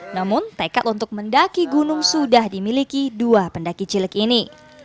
namun tekad untuk mendaki gunung sudah dimiliki dua pendaki cilik ini